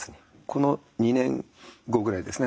この２年後ぐらいですね